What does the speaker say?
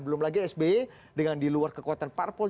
belum lagi sby dengan diluar kekuatan parpol